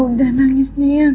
mama udah nangis nih ya